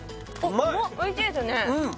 おいしいですよねうん！